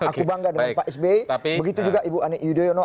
aku bangga dengan pak sby begitu juga ibu ani yudhoyono